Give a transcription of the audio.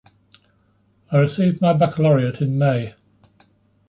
I received my baccalaureate in May.